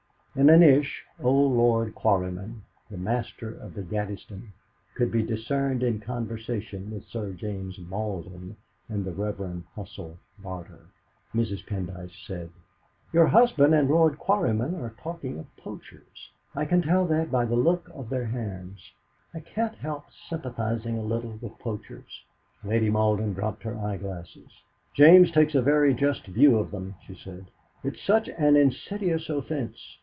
In a niche old Lord Quarryman, the Master of the Gaddesdon, could be discerned in conversation with Sir James Malden and the Reverend Hussell Barter. Mrs. Pendyce said: "Your husband and Lord Quarryman are talking of poachers; I can tell that by the look of their hands. I can't help sympathising a little with poachers." Lady Malden dropped her eyeglasses. "James takes a very just view of them," she said. "It's such an insidious offence.